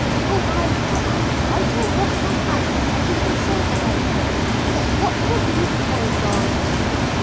For my part, I shall wash my hands of any concern about it, let what will be the end on't.'